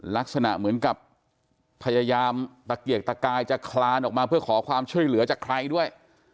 ลักษณะเหมือนกับพยายามตะเกียกตะกายจะคลานออกมาเพื่อขอความช่วยเหลือจากใครด้วย